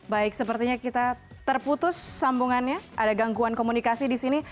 baik sepertinya kita terputus sambungannya ada gangguan komunikasi di sini